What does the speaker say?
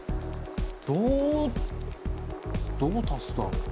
どう足すだろう？